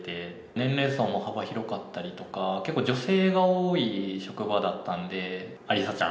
年齢層も幅広かったりとか、結構女性が多い職場だったんで、ありさちゃん、